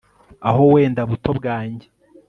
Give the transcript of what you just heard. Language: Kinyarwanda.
aho wenda buto bwange